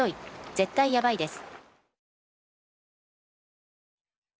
絶対やばいです。